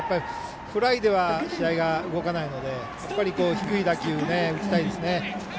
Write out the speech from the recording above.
フライでは試合が動かないので低い打球を打ちたいです。